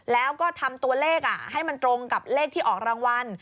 แล้วก็ทำตัวเลขให้มันตรงกับเลขที่ออกรางวัล